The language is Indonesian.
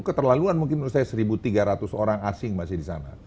keterlaluan mungkin menurut saya satu tiga ratus orang asing masih di sana